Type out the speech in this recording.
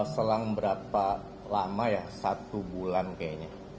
selang berapa lama ya satu bulan kayaknya